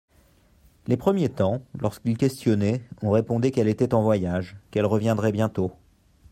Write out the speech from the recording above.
Les premiers temps, lorsqu'il questionnait, on répondait qu'elle était en voyage, qu'elle reviendrait bientôt.